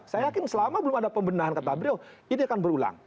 saya yakin selama belum ada pembendahan kata beliau ini akan berulang